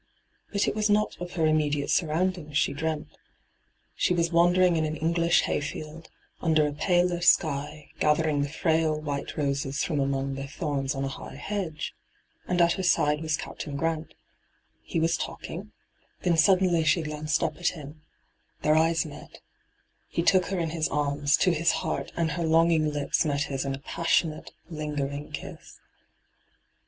But it was not of her immediate surroundings she dreamt. She was wandering in an English hayfield, under a paler sky, gathering the firail white roses from among their thorns on a high hedge ; and at her side was Captain Grant — he was talking : then suddenly she glanced up at him — their eyes met — he took her in his arms, to his heart, and her longing lips met his in a passionate, lingering kiss.